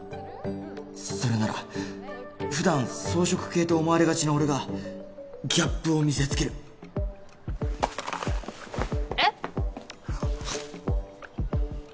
それなら普段草食系と思われがちな俺がギャップを見せつけるえっ？